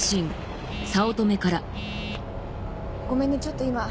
ごめんねちょっと今。